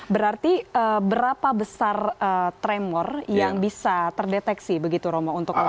berarti berapa besar tremor yang bisa terdeteksi begitu romo